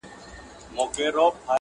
تورو پنجرو کي له زندان سره به څه کوو -